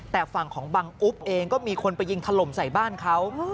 แต่ฝั่งของบังอุ๊บเองก็มีคนไปยิงถล่มใส่บ้านเขา